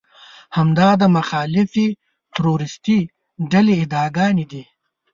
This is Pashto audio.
همدا د مخالفې تروريستي ډلې ادعاګانې دي.